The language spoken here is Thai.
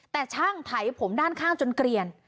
แต่ช่างไถผมด้านข้างจนเกลียน